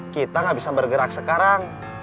kita gak bisa bergerak sekarang